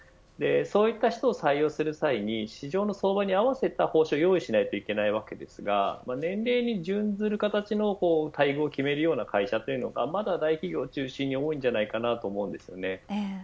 そういった人を採用する際に市場の相場に合わせた報酬を用意しないといけないわけですが年齢に準ずる形での待遇を決める会社がまだ大企業を中心に多いと思います。